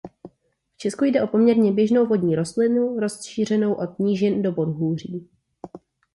V Česku jde o poměrně běžnou vodní rostlinu rozšířenou od nížin do podhůří.